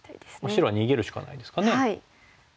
白は逃げるしかないですかね。